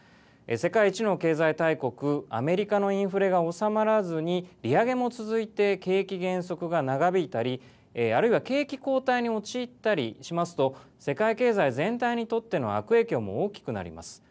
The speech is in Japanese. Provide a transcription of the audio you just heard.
世界一の経済大国アメリカのインフレが収まらずに利上げも続いて景気減速が長引いたりあるいは景気後退に陥ったりしますと世界経済全体にとっての悪影響も大きくなります。